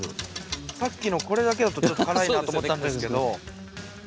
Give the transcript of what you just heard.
さっきのこれだけだとちょっと辛いなと思ったんですけど。